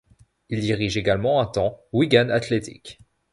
Il dirige également un temps Wigan Athletic.